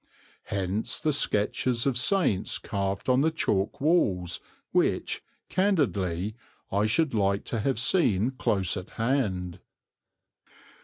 Hence the sketches of saints carved on the chalk walls which, candidly, I should like to have seen close at hand.